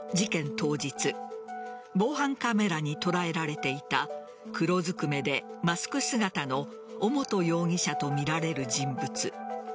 当日防犯カメラに捉えられていた黒ずくめでマスク姿の尾本容疑者とみられる人物。